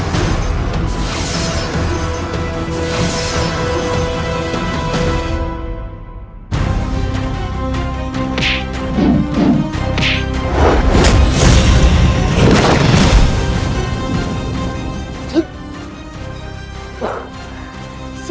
kepada ketiga dukun santri